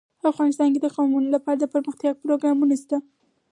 افغانستان کې د قومونه لپاره دپرمختیا پروګرامونه شته.